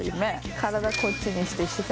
体こっちにして、視線